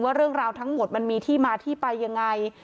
เรื่องราวทั้งหมดมันมีที่มาที่ไปยังไง